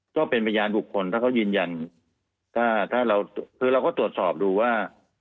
ก็เป็นพยานบุคคลถ้าเขายืนยันถ้าเราคือเราก็ตรวจสอบดูว่า